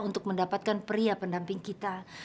untuk mendapatkan pria pendamping kita